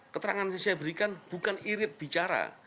keterangan yang saya berikan bukan irit bicara